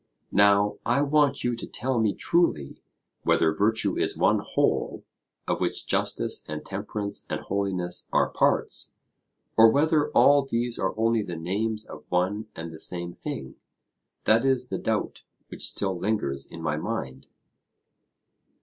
Now I want you to tell me truly whether virtue is one whole, of which justice and temperance and holiness are parts; or whether all these are only the names of one and the same thing: that is the doubt which still lingers in my mind.